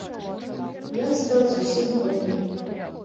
Ён стаў зусім голы.